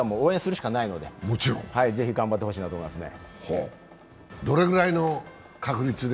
我々としては応援するしかないので、ぜひ頑張ってほしいなと思いますね。